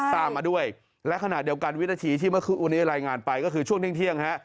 ตามมาด้วยและขณะเดียวกันวินาทีที่เมื่อคืนวันนี้รายงานไปก็คือช่วงเที่ยงฮะ